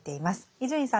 伊集院さん